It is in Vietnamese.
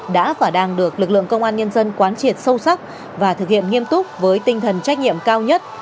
đã và đang được lực lượng công an nhân dân quán triệt sâu sắc và thực hiện nghiêm túc với tinh thần trách nhiệm cao nhất